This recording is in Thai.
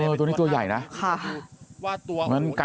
เออตัวนี้ตัวใหญ่นะค่ะ